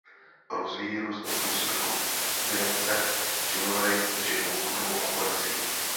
Rozvíjí různé způsoby kombinace činohry s živou hudbou a poezií.